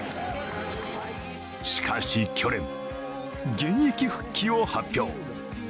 しかし去年、現役復帰を発表。